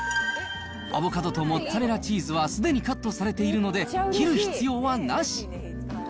アボカドとモッツァレラチーズはすでにカットされているので、切る必要はなし。